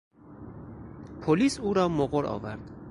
پلیس او را مقر آورد.